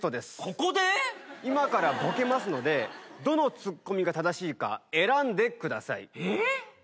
今からボケますのでどのツッコミが正しいか選んでください。え？